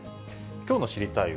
きょうの知りたいッ！